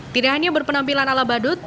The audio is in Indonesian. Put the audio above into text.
tidak hanya berpenampilan ala badut